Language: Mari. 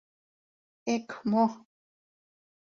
— Эк мо...